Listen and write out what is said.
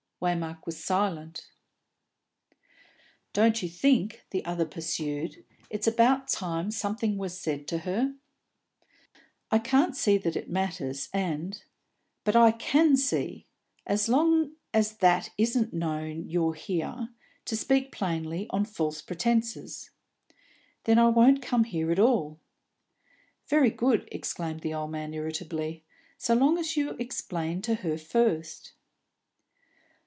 Waymark was silent. "Don't you think," the other pursued, "it's about time something was said to her?" "I can't see that it matters, and " "But I can see. As long as that isn't known you're here, to speak plainly, on false pretences." "Then I won't come here at all!" "Very good," exclaimed the old man irritably, "so long as you explain to her first."